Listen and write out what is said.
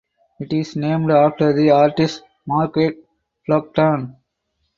It is named after the artist Margaret Flockton.